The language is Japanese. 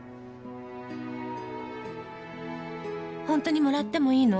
本当にもらってもいいの？